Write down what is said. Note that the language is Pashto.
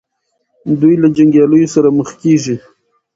دوی له جنګیالیو سره مخ کیږي.